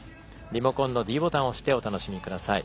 リモコンのｄボタンを押してお楽しみください。